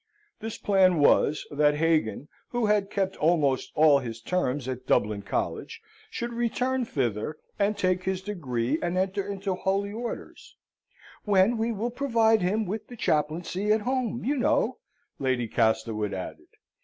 This plan was, that Hagan, who had kept almost all his terms at Dublin College, should return thither and take his degree, and enter into holy orders, 'when we will provide him with a chaplaincy at home, you know,' Lady Castlewood added."